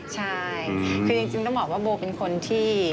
ใช่คือจริงต้องบอกว่าโบเป็นคนที่